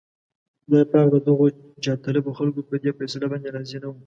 خدای پاک د دغو جاهطلبو خلکو په دې فيصله باندې راضي نه و.